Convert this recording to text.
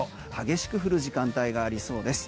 激しく降る時間帯がありそうです。